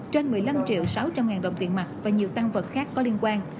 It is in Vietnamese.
trên một mươi năm triệu sáu trăm linh ngàn đồng tiền mặt và nhiều tăng vật khác có liên quan